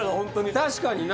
確かにな。